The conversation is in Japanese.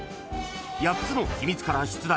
［８つの秘密から出題］